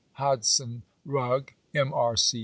Hodson Eugg, M.R.